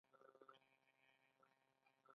اکبرجان چې چیني ولیده، نو هغه په غپا و.